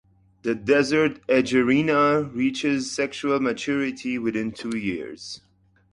The desert egernia reaches sexual maturity within two years.